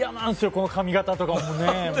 この髪形とかも。